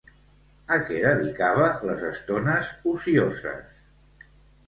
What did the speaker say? A què dedicava les estones ocioses?